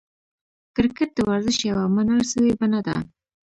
کرکټ د ورزش یوه منل سوې بڼه ده.